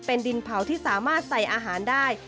เป็นดินเผาที่สามารถใส่อาหารได้